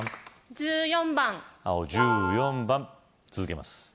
１４番青１４番続けます